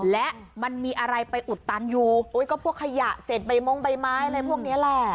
และมันมีอะไรไปอุดตันอยู่ก็พวกขยะเศษใบมงใบไม้อะไรพวกนี้แหละ